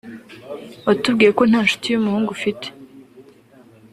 Watubwiye ko nta ncuti y’umuhungu ufite